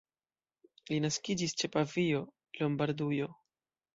Li naskiĝis ĉe Pavio, Lombardujo.